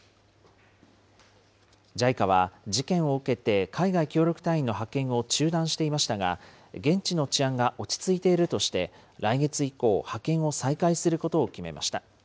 ＪＩＣＡは事件を受けて、海外協力隊員の派遣を中断していましたが、現地の治安が落ち着いているとして、来月以降、派遣を再開することを決めました。